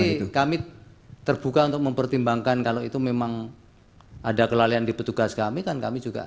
ini kami terbuka untuk mempertimbangkan kalau itu memang ada kelalaian di petugas kami kan kami juga